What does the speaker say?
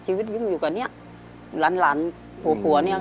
ชีวิตวิ่งอยู่กับเนี่ยหลานผัวผัวเนี่ย